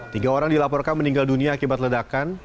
tiga orang dilaporkan meninggal dunia akibat ledakan